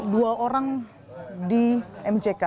dua orang di mck